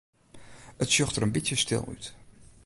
It sjocht der in bytsje stil út.